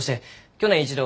去年一度？